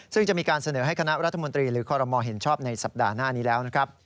ซึ่งจะมีการเสนอให้คณะรัฐมนตรีหรือคอรมอลเห็นชอบในสัปดาห์หน้านี้แล้วนะครับ